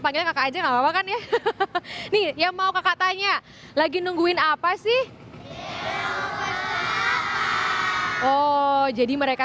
panggil kakak aja gak apa apa kan ya nih yang mau kakak tanya lagi nungguin apa sih oh jadi mereka